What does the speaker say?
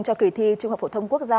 cho kỳ thi trung học phổ thông quốc gia